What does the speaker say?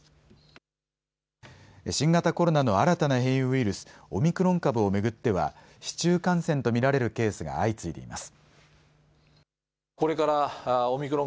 新型コロナの新たな変異ウイルス、オミクロン株を巡っては市中感染と見られるケースが相次いでいます。